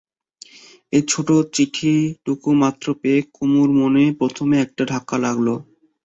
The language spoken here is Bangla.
এই ছোটো চিঠিটুকু মাত্র পেয়ে কুমুর মনে প্রথমে একটা ধাক্কা লাগল।